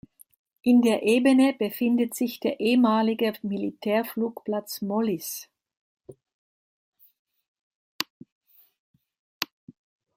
In der Ebene befindet sich der ehemalige Militärflugplatz Mollis.